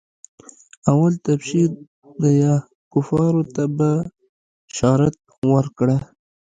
اول تبشير ديه کفارو ته بشارت ورکړه.